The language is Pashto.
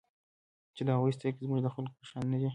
چې د هغوی سترګې زموږ د خلکو په شان نه دي.